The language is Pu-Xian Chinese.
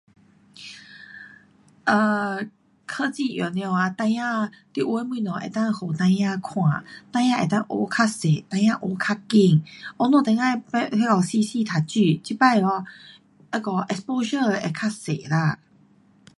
um 科技用了啊，你有的东西可以给孩儿看，孩儿可以学较多学较快。像我们以前死死读书，这次 ho exposure 会较多啦。